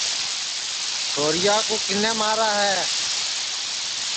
چھوریا کِنے مارے ہے